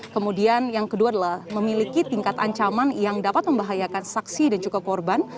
kemudian yang kedua adalah memiliki tingkat ancaman yang dapat membahayakan saksi dan juga korban